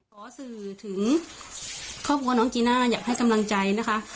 ขอสื่อถึงครอบครัวน้องจีน่าอยากให้กำลังใจนะคะ